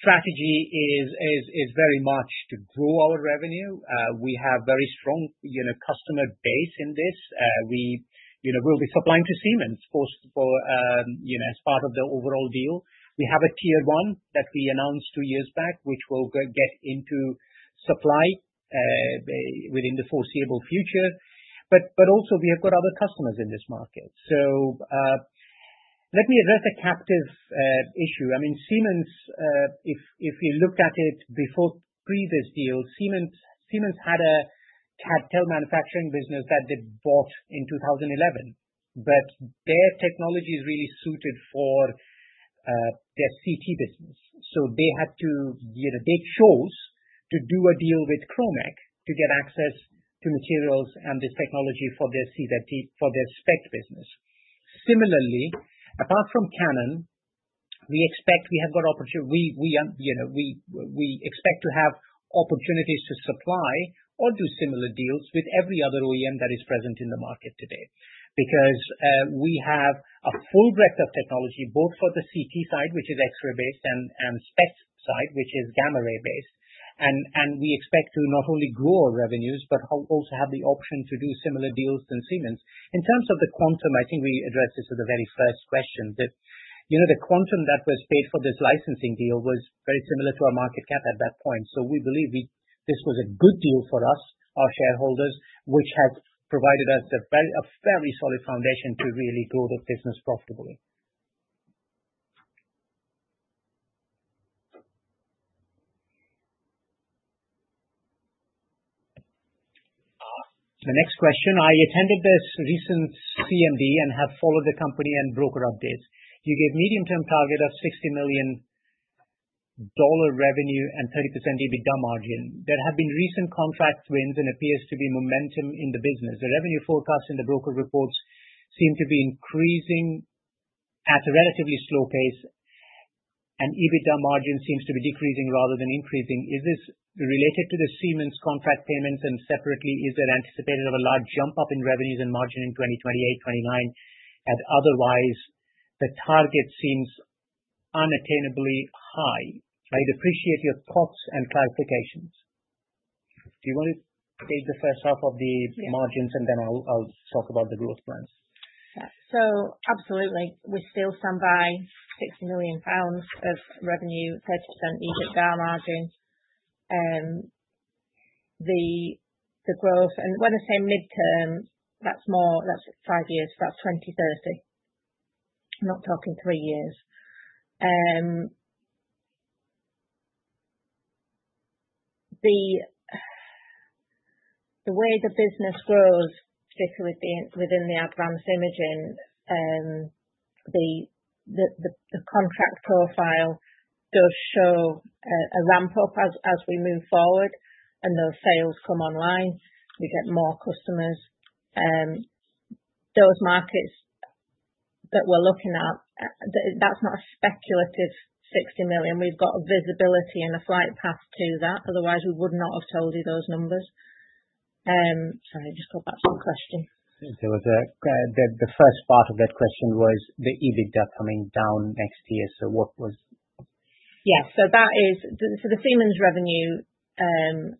strategy is very much to grow our revenue. We have a very strong customer base in this. We will be supplying to Siemens as part of the overall deal. We have a Tier 1 that we announced two years back, which will get into supply within the foreseeable future. But also, we have got other customers in this market. So let me address a captive issue. I mean, Siemens, if you looked at it before the previous deal, Siemens had a telluride manufacturing business that they bought in 2011. But their technology is really suited for their CT business. So they chose to do a deal with Kromek to get access to materials and this technology for their SPECT business. Similarly, apart from Canon, we expect we have got opportunities. We expect to have opportunities to supply or do similar deals with every other OEM that is present in the market today because we have a full breadth of technology, both for the CT side, which is X-ray-based, and SPECT side, which is gamma-ray-based. And we expect to not only grow our revenues but also have the option to do similar deals to Siemens. In terms of the quantum, I think we addressed this with the very first que stion. The quantum that was paid for this licensing deal was very similar to our market cap at that point. So we believe this was a good deal for us, our shareholders, which has provided us a very solid foundation to really grow the business profitably. The next question. I attended this recent CMD and have followed the company and broker updates. You gave a medium-term target of $60 million revenue and 30% EBITDA margin. There have been recent contract wins and appears to be momentum in the business. The revenue forecast in the broker reports seem to be increasing at a relatively slow pace, and EBITDA margin seems to be decreasing rather than increasing. Is this related to the Siemens contract payments, and separately, is there anticipated of a large jump-up in revenues and margin in 2028, 2029? Otherwise, the target seems unattainably high. I'd appreciate your thoughts and clarifications. Do you want to take the first half of the margins, and then I'll talk about the growth plans? Absolutely. We still stand by 60 million pounds of revenue, 30% EBITDA margin. The growth, and when I say midterm, that's five years, but that's 2030. I'm not talking three years. The way the business grows, particularly within the advanced imaging, the contract profile does show a ramp-up as we move forward, and those sales come online. We get more customers. Those markets that we're looking at, that's not a speculative 60 million. We've got a visibility and a flight path to that. Otherwise, we would not have told you those numbers. Sorry, I just got back to the question. There was the first part of that question was the EBITDA coming down next year. So what was? Yeah. So the Siemens revenue and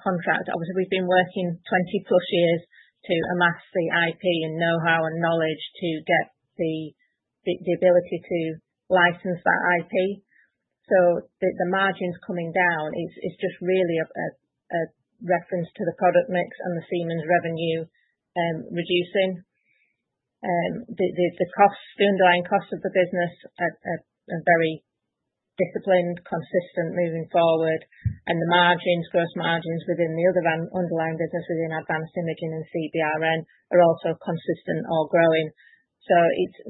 contract, obviously, we've been working 20-plus years to amass the IP and know-how and knowledge to get the ability to license that IP. So the margins coming down is just really a reference to the product mix and the Siemens revenue reducing. The underlying costs of the business are very disciplined, consistent moving forward. And the gross margins within the other underlying business, within advanced imaging and CBRN, are also consistent or growing. So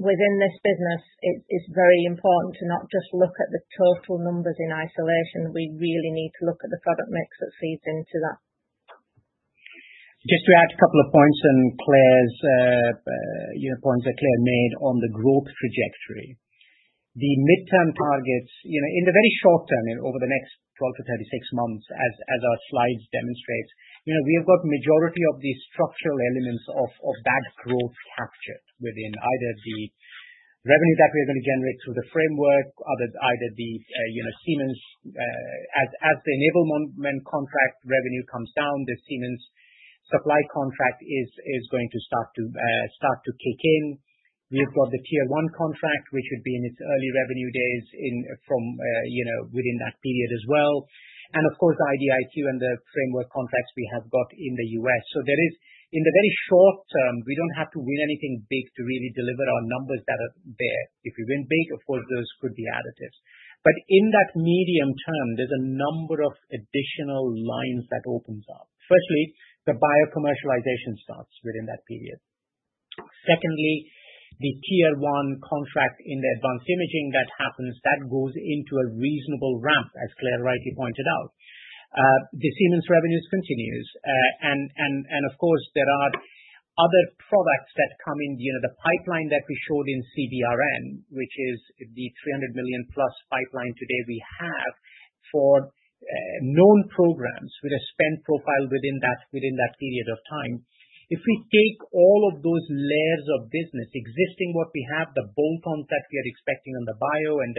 within this business, it's very important to not just look at the total numbers in isolation. We really need to look at the product mix that feeds into that. Just to add a couple of points and Claire's points that Claire made on the growth trajectory. The midterm targets, in the very short term, over the next 12 to 36 months, as our slides demonstrate, we have got the majority of the structural elements of that growth captured within either the revenue that we are going to generate through the framework, either the Siemens as the enablement contract revenue comes down, the Siemens supply contract is going to start to kick in. We've got the Tier 1 contract, which would be in its early revenue days from within that period as well. And of course, the IDIQ and the framework contracts we have got in the U.S. So in the very short term, we don't have to win anything big to really deliver our numbers that are there. If we win big, of course, those could be additives. But in that medium term, there's a number of additional lines that open up. Firstly, the biocommercialization starts within that period. Secondly, the Tier 1 contract in the advanced imaging that happens, that goes into a reasonable ramp, as Claire rightly pointed out. The Siemens revenues continue. And of course, there are other products that come in the pipeline that we showed in CBRN, which is the 300 million-plus pipeline today we have for known programs with a spend profile within that period of time. If we take all of those layers of business, existing what we have, the bolt-ons that we are expecting on the bio and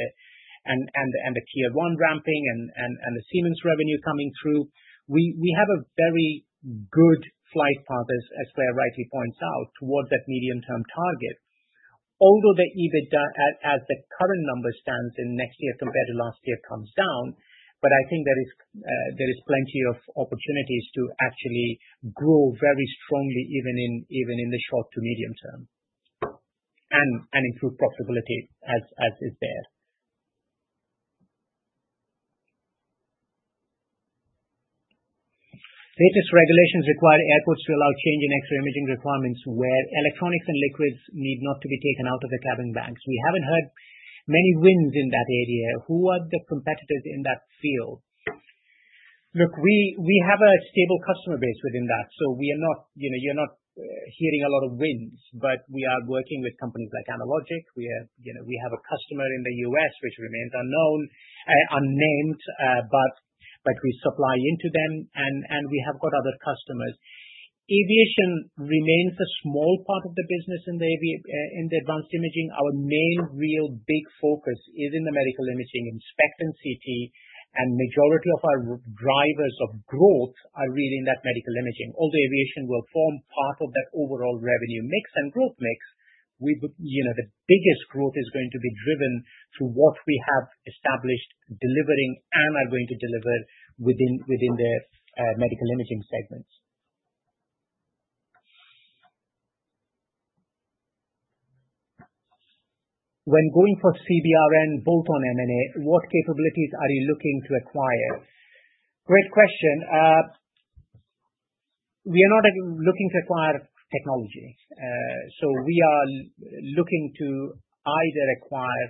the Tier 1 ramping and the Siemens revenue coming through, we have a very good flight path, as Claire rightly points out, towards that medium-term target. Although the EBITDA, as the current number stands in next year compared to last year, comes down, but I think there is plenty of opportunities to actually grow very strongly even in the short to medium term and improve profitability as is there. Latest regulations require airports to allow change in X-ray imaging requirements where electronics and liquids need not to be taken out of the cabin bags. We haven't heard many wins in that area. Who are the competitors in that field? Look, we have a stable customer base within that, so you're not hearing a lot of wins, but we are working with companies like Analogic. We have a customer in the U.S. which remains unnamed, but we supply into them, and we have got other customers. Aviation remains a small part of the business in the advanced imaging. Our main real big focus is in the medical imaging in SPECT and CT, and the majority of our drivers of growth are really in that medical imaging. Although aviation will form part of that overall revenue mix and growth mix, the biggest growth is going to be driven through what we have established, delivering, and are going to deliver within the medical imaging segments. When going for CBRN bolt-on M&A, what capabilities are you looking to acquire? Great question. We are not looking to acquire technology. So we are looking to either acquire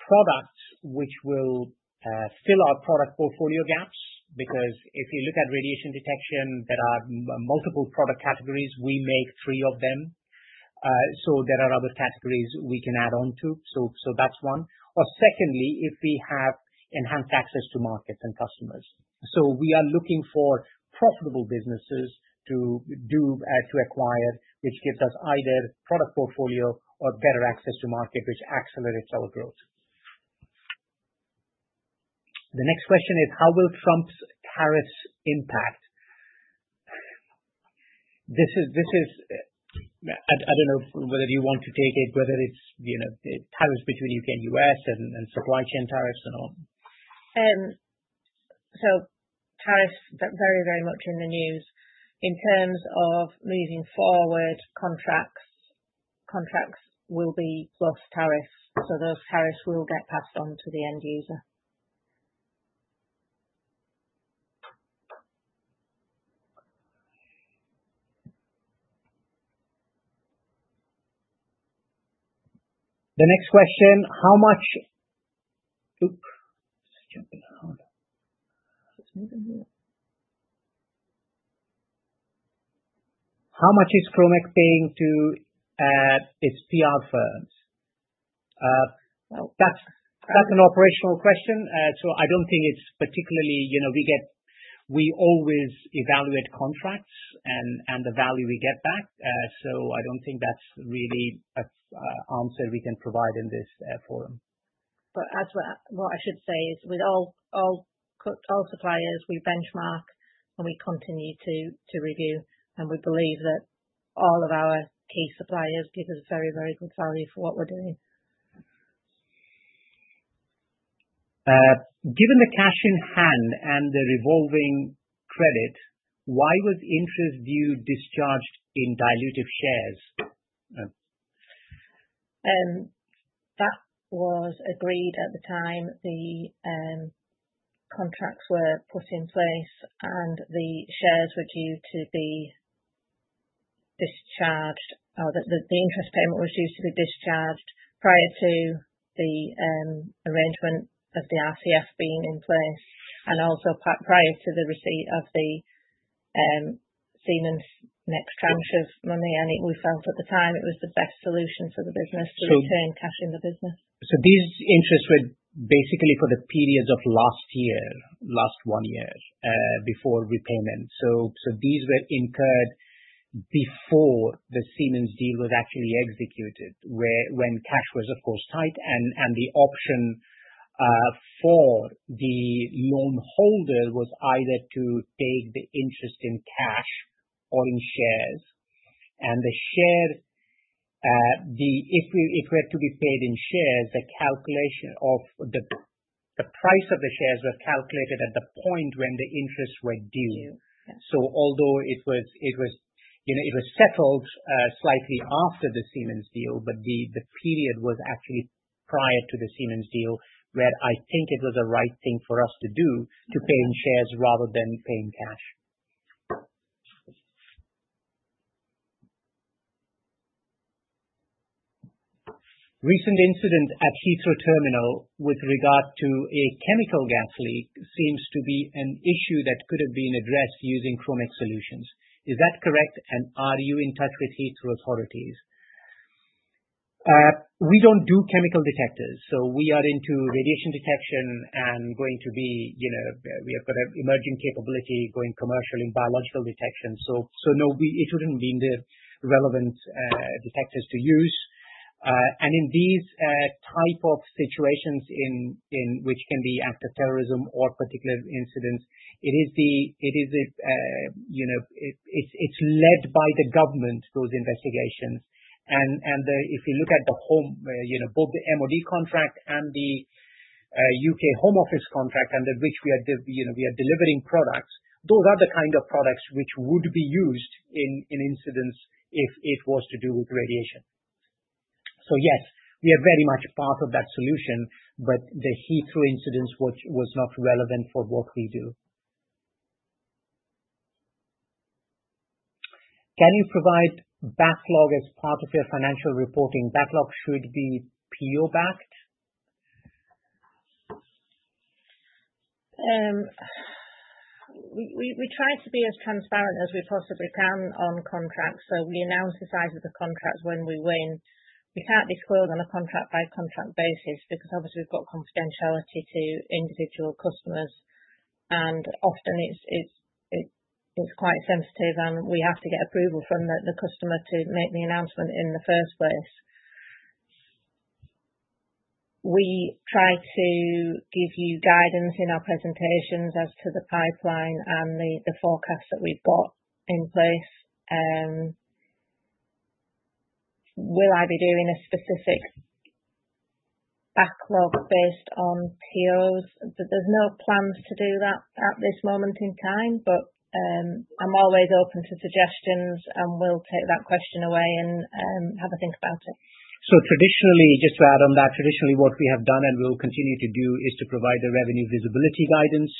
products which will fill our product portfolio gaps because if you look at radiation detection, there are multiple product categories. We make three of them. So there are other categories we can add on to. So that's one. Or secondly, if we have enhanced access to markets and customers. So we are looking for profitable businesses to acquire, which gives us either product portfolio or better access to market, which accelerates our growth. The next question is, how will Trump's tariffs impact? I don't know whether you want to take it, whether it's tariffs between the U.K. and U.S. and supply chain tariffs and all. So, tariffs very, very much in the news. In terms of moving forward, contracts will be plus tariffs. So, those tariffs will get passed on to the end user. The next question, how much is Kromek paying to its PR firms? That's an operational question, so I don't think it's particularly we always evaluate contracts and the value we get back, so I don't think that's really an answer we can provide in this forum. But what I should say is, with all suppliers, we benchmark and we continue to review, and we believe that all of our key suppliers give us very, very good value for what we're doing. Given the cash in hand and the revolving credit, why was interest due discharged in dilutive shares? That was agreed at the time the contracts were put in place, and the shares were due to be discharged, or the interest payment was due to be discharged prior to the arrangement of the RCF being in place and also prior to the receipt of the Siemens next tranche of money, and we felt at the time it was the best solution for the business to return cash in the business. These interests were basically for the periods of last year, last one year before repayment. These were incurred before the Siemens deal was actually executed when cash was, of course, tight, and the option for the loan holder was either to take the interest in cash or in shares. If it were to be paid in shares, the price of the shares was calculated at the point when the interests were due. Although it was settled slightly after the Siemens deal, the period was actually prior to the Siemens deal where I think it was a right thing for us to do to pay in shares rather than pay in cash. Recent incident at Heathrow Terminal with regard to a chemical gas leak seems to be an issue that could have been addressed using Kromek solutions. Is that correct? And are you in touch with Heathrow authorities? We don't do chemical detectors, so we are into radiation detection and going to be we have got an emerging capability going commercial in biological detection. So no, it wouldn't be relevant detectors to use. In these type of situations in which can be active terrorism or particular incidents, it is the it's led by the government, those investigations. If you look at the MoD contract and the U.K. Home Office contract under which we are delivering products, those are the kind of products which would be used in incidents if it was to do with radiation. So yes, we are very much part of that solution, but the Heathrow incidents was not relevant for what we do. Can you provide backlog as part of your financial reporting? Backlog should be PO-backed. We try to be as transparent as we possibly can on contracts, so we announce the size of the contract when we win. We can't be squirreled on a contract-by-contract basis because obviously we've got confidentiality to individual customers, and often it's quite sensitive, and we have to get approval from the customer to make the announcement in the first place. We try to give you guidance in our presentations as to the pipeline and the forecasts that we've got in place. Will I be doing a specific backlog based on POs? There's no plans to do that at this moment in time, but I'm always open to suggestions, and we'll take that question away and have a think about it. So traditionally, just to add on that, traditionally what we have done and will continue to do is to provide the revenue visibility guidance,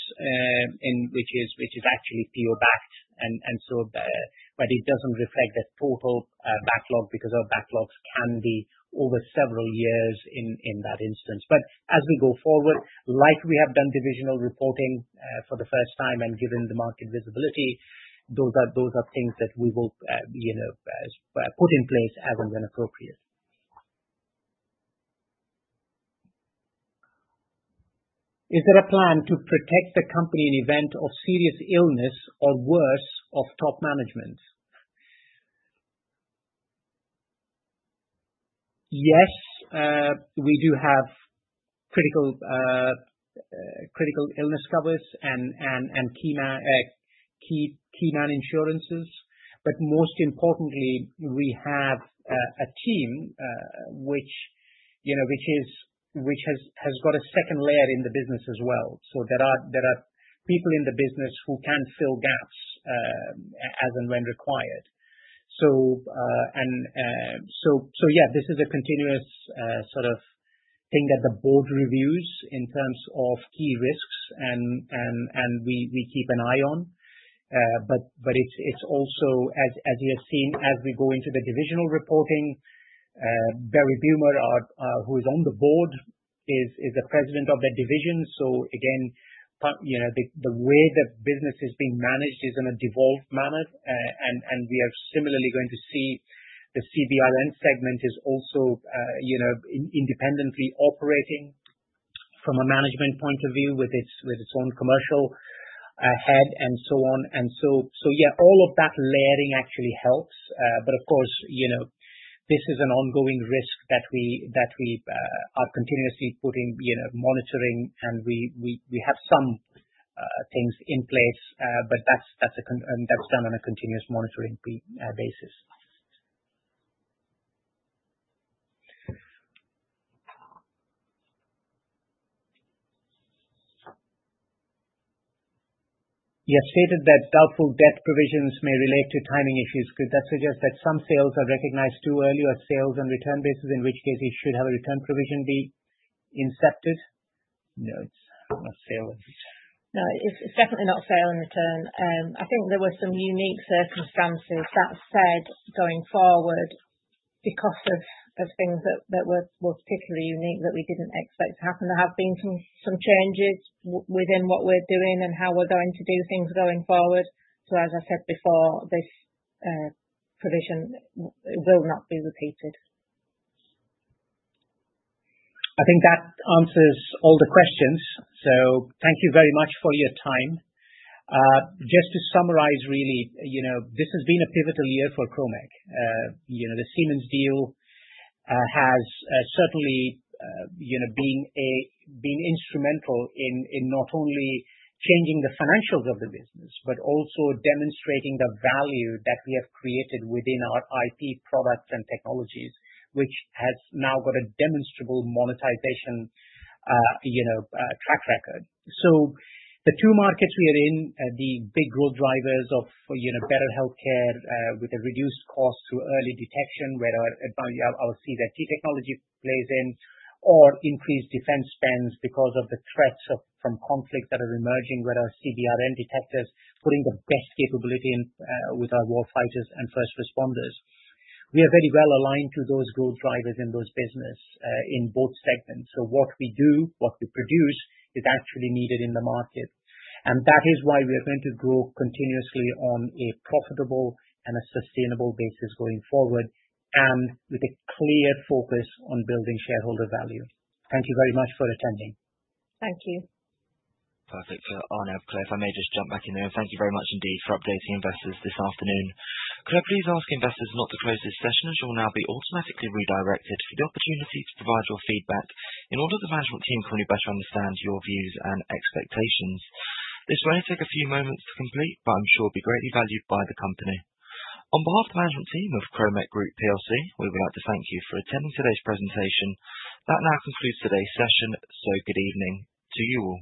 which is actually PO-backed. But it doesn't reflect the total backlog because our backlogs can be over several years in that instance. But as we go forward, like we have done divisional reporting for the first time and given the market visibility, those are things that we will put in place as and when appropriate. Is there a plan to protect the company in the event of serious illness or worse of top management? Yes, we do have critical illness covers and key man insurances. But most importantly, we have a team which has got a second layer in the business as well. So there are people in the business who can fill gaps as and when required. Yeah, this is a continuous sort of thing that the board reviews in terms of key risks and we keep an eye on. It's also, as you have seen, as we go into the divisional reporting, Berry Beumer, who is on the board, is the president of that division. Again, the way the business is being managed is in a devolved manner, and we are similarly going to see the CBRN segment is also independently operating from a management point of view with its own commercial head and so on. Yeah, all of that layering actually helps. Of course, this is an ongoing risk that we are continuously monitoring, and we have some things in place, but that's done on a continuous monitoring basis. You have stated that doubtful debt provisions may relate to timing issues. Could that suggest that some sales are recognized too early or sales on return basis, in which case it should have a return provision be incepted? No, it's not sale and return. No, it's definitely not sale and return. I think there were some unique circumstances. That said, going forward, because of things that were particularly unique that we didn't expect to happen, there have been some changes within what we're doing and how we're going to do things going forward. So as I said before, this provision will not be repeated. I think that answers all the questions. So thank you very much for your time. Just to summarize really, this has been a pivotal year for Kromek. The Siemens deal has certainly been instrumental in not only changing the financials of the business, but also demonstrating the value that we have created within our IP products and technologies, which has now got a demonstrable monetization track record. So the two markets we are in, the big growth drivers of better healthcare with a reduced cost through early detection, where we'll see that technology plays in, or increased defense spends because of the threats from conflicts that are emerging, where our CBRN detectors are putting the best capability in with our warfighters and first responders. We are very well aligned to those growth drivers in those businesses in both segments. So what we do, what we produce is actually needed in the market, and that is why we are going to grow continuously on a profitable and a sustainable basis going forward and with a clear focus on building shareholder value. Thank you very much for attending. Thank you. Perfect. Arnab, if I may just jump back in there, and thank you very much indeed for updating investors this afternoon. Could I please ask investors not to close this session as you will now be automatically redirected for the opportunity to provide your feedback in order for the management team to better understand your views and expectations? This may take a few moments to complete, but I'm sure it will be greatly valued by the company. On behalf of the management team of Kromek Group PLC, we would like to thank you for attending today's presentation. That now concludes today's session, so good evening to you all.